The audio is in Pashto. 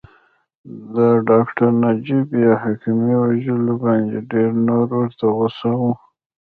د ډاکټر نجیب بې محاکمې وژلو باندې ډېر نور ورته غوسه وو